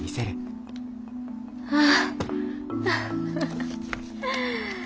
ああ。